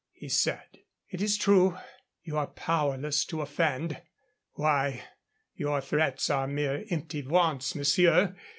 he said. "It is true. You are powerless to offend. Why, your threats are mere empty vaunts, monsieur!